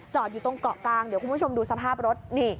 อยู่ตรงเกาะกลางเดี๋ยวคุณผู้ชมดูสภาพรถนี่